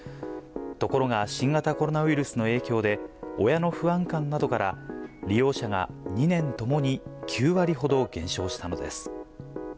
ところが新型コロナウイルスの影響で、親の不安感などから、利用者が２年ともに９割ほど減少したのです。